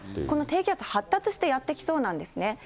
この低気圧、発達してやって来そうなんですね。